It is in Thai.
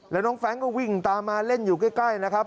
แล้วน้องแฟรงค์ก็วิ่งตามมาเล่นอยู่ใกล้นะครับ